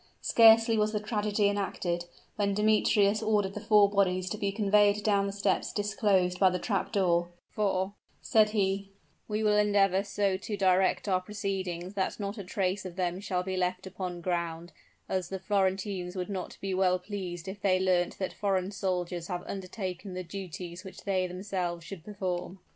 Scarcely was the tragedy enacted, when Demetrius ordered the four bodies to be conveyed down the steps disclosed by the trap door; "for," said he, "we will endeavor so to direct our proceedings that not a trace of them shall be left upon ground; as the Florentines would not be well pleased if they learnt that foreign soldiers have undertaken the duties which they themselves should perform."